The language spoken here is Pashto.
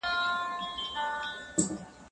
د بدن خارښ کله ناکله څرګندېږي.